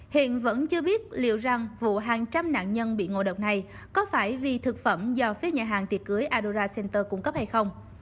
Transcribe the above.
hiện vẫn chưa biết liệu rằng vụ hàng trăm nạn nhân bị ngộ độc này có phải vì thực phẩm do phía nhà hàng tiệc cưới addora center cung cấp hay không